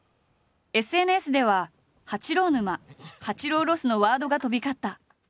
ＳＮＳでは「八郎沼」「八郎ロス」のワードが飛び交った。